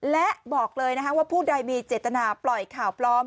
และบอกเลยว่าผู้ใดมีเจตนาปล่อยข่าวปลอม